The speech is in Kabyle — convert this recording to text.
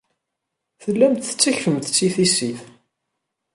Tellamt tettakfemt-tt i tissit.